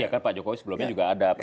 ya kan pak jokowi sebelumnya juga ada